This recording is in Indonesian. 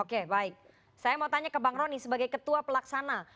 oke baik saya mau tanya ke bang rony sebagai ketua pelaksana